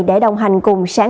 xin chào các bạn